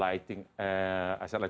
yang ketiga itu yang kita sebutkan